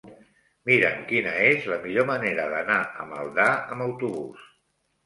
Mira'm quina és la millor manera d'anar a Maldà amb autobús.